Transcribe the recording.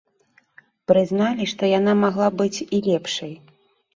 Прызналі, што яна магла б быць і лепшай.